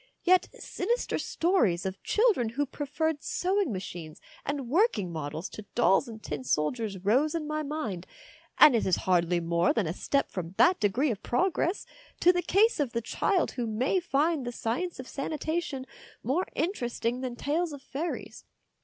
Yet sinister stories of children who preferred sewing machines and working models to dolls and tin soldiers rose in my mind, and it is hardly more than a step from that idegree of progress to the case of the child who may find the science of sanitation more in teresting than tales of fairies.